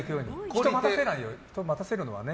人を待たせるのはね。